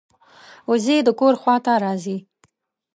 وزې د کور خوا ته راځي